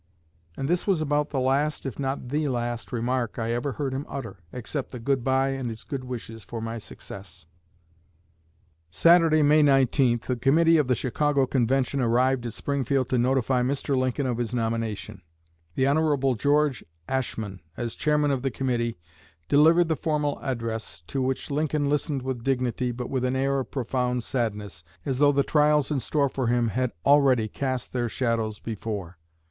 And this was about the last, if not the last, remark I ever heard him utter, except the good bye and his good wishes for my success." Saturday, May 19, the committee of the Chicago convention arrived at Springfield to notify Mr. Lincoln of his nomination. The Hon. George Ashmun, as chairman of the committee, delivered the formal address, to which Lincoln listened with dignity, but with an air of profound sadness, as though the trials in store for him had already "cast their shadows before."